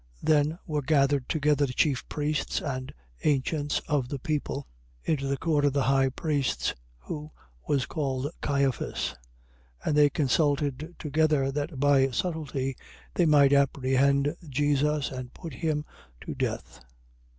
26:3. Then were gathered together the chief priests and ancients of the people, into the court of the high priest, who was called Caiphas: 26:4. And they consulted together that by subtilty they might apprehend Jesus and put him to death.